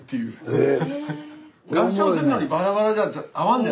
へえ。